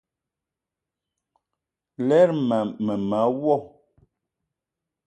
Lerma mema wo.